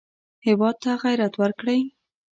هېواد ته غیرت ورکړئ